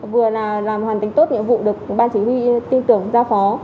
vừa là làm hoàn tính tốt nhiệm vụ được ban chỉ huy tin tưởng ra phó